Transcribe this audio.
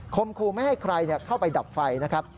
คมครูไม่ให้ใครเข้าไปดับไฟนะครับ